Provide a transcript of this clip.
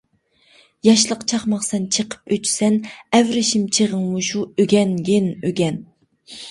ياشلىق چاقماقسەن، چېقىپ ئۆچىسەن، ئەۋرىشىم چېغىڭ مۇشۇ ئۆگەنگىن، ئۆگەن!